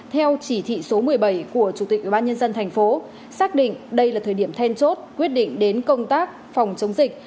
theo chỉ thị số một mươi bảy của chủ tịch ubnd tp xác định đây là thời điểm then chốt quyết định đến công tác phòng chống dịch